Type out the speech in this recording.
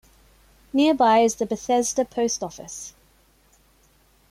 Nearby is the Bethesda Post Office.